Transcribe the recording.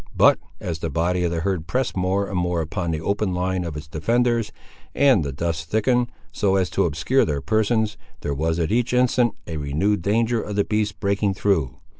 But, as the body of the herd pressed more and more upon the open line of its defenders, and the dust thickened, so as to obscure their persons, there was, at each instant, a renewed danger of the beasts breaking through.